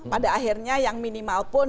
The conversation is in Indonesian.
pada akhirnya yang minimal pun